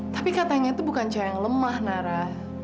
tapi katanya tuh bukan cah yang lemah nara